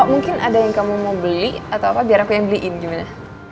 mungkin ada yang kamu mau beli atau apa biar aku yang beliin gimana